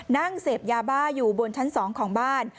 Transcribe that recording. นั่งเสพยาบ้าอยู่บนชั้น๒ของบ้าน